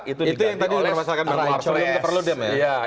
itu yang tadi dimaksudkan dengan wapres